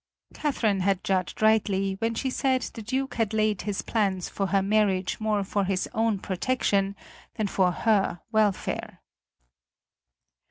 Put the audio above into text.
Catherine had judged rightly when she said the Duke had laid his plans for her marriage more for his own protection than for her welfare.